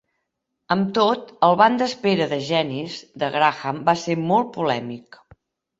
Amb tot, el "ban d'espera de genis" de Graham va ser molt polèmic.